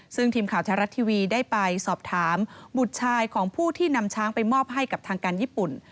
ซึ่งทีมข่าวแท้รัฐทีวีได้ไปสอบถามบุตรชายของผู้ที่นำช้างไปมอบให้กับทางการญี่ปุ่น